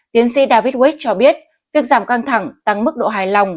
tiến sĩ david wick cho biết việc giảm căng thẳng tăng mức độ hài lòng